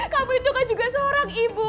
kamu itu kan juga seorang ibu